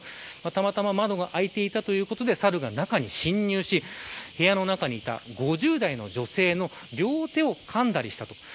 たまたま窓が開いていたということで、サルが中に侵入し部屋の中にいた５０代の女性の両手をかんだりしたと。